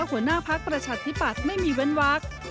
หัวหน้าพักประชาธิปัตย์ไม่มีเว้นวัก